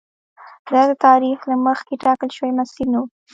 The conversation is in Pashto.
دا د تاریخ له مخکې ټاکل شوی مسیر نه و.